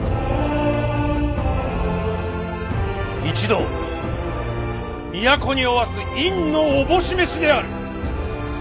一同都におわす院のおぼし召しである。